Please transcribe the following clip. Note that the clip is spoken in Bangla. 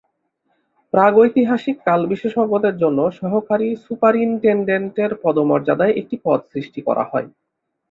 প্রাগৈতিহাসিক কাল বিশেষজ্ঞের জন্য সহকারী সুপারিন্টেডেন্টের পদ মর্যাদায় একটি পদ সষ্টি করা হয়।